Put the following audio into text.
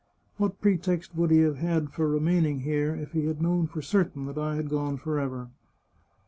What pretext would he have had for remaining here, if he had known for certain that I had gone forever